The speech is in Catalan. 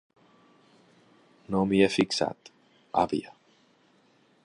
No m'hi he fixat, àvia.